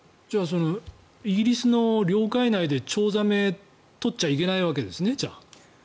イギリスの領海内でチョウザメを取っちゃいけないわけですね。